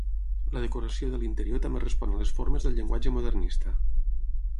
La decoració de l'interior també respon a les formes del llenguatge modernista.